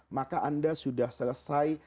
maka anda sudah selesai